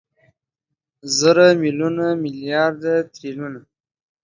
زره، ميليونه، ميليارده، تريليونه